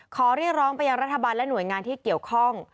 ขอเรียกร้องไปยังรัฐบาลและหน่วยงานที่เกี่ยวข้อง